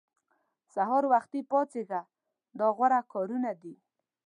سهار وختي پاڅېږه دا غوره کارونه دي.